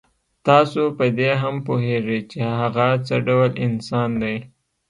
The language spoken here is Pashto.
تاسو په دې هم پوهېږئ چې هغه څه ډول انسان دی.